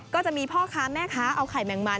ก็จะมีพ่อค้าแม่ค้าเอาไข่แมงมัน